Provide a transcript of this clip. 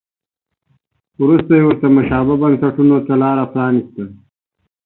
وروسته یې ورته مشابه بنسټونو ته لار پرانیسته.